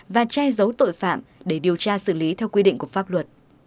và che giấu tội phạm để điều tra xử lý theo quy định của pháp luật